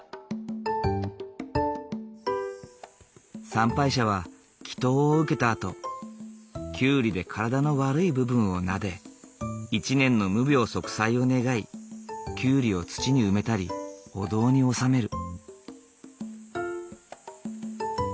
参拝者は祈とうを受けたあとキュウリで体の悪い部分をなで１年の無病息災を願いキュウリを土に埋めたりお堂に納める。